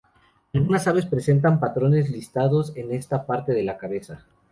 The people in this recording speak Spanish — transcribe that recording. Algunas aves presentan patrones listados en esta parte de la cabeza.